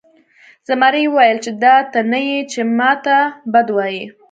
زمري وویل چې دا ته نه یې چې ما ته بد وایې.